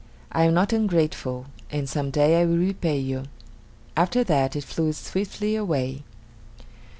I am not ungrateful, and some day I will repay you!" After that it flew swiftly away.